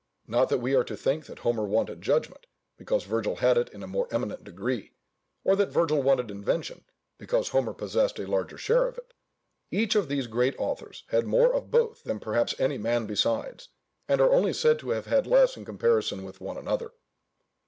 Not that we are to think that Homer wanted judgment, because Virgil had it in a more eminent degree; or that Virgil wanted invention, because Homer possessed a larger share of it; each of these great authors had more of both than perhaps any man besides, and are only said to have less in comparison with one another.